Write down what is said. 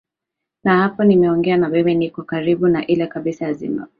na hapa ninapoegea na wewe niko kabiru na ile kabisa ya zambia